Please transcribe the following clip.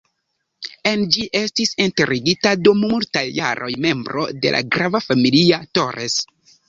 En ĝi estis enterigita dum multaj jaroj membro de la grava familio "Torres".